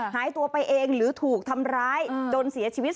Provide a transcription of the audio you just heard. หายตัวไปเองหรือถูกทำร้ายจนเสียชีวิต